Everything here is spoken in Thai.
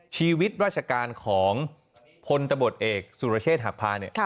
ชีวิตรัชการของพลตบทเอกสุรเชษฐ์หักพ้านั้นเนี่ย